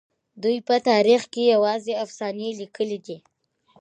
دوی په تاريخ کې يوازې افسانې ليکلي دي.